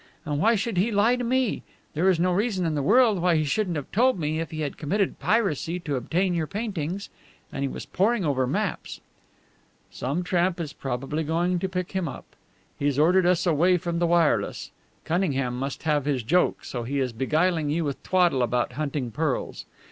And why should he lie to me? There is no reason in the world why he shouldn't have told me, if he had committed piracy to obtain your paintings. And he was poring over maps." "Some tramp is probably going to pick him up. He's ordered us away from the wireless. Cunningham must have his joke, so he is beguiling you with twaddle about hunting pearls.